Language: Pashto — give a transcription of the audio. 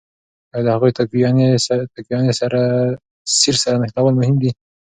آیا د هغوی تکويني سير سره نښلول مهم دي؟